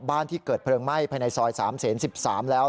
ที่เกิดเพลิงไหม้ภายในซอย๓เสน๑๓แล้ว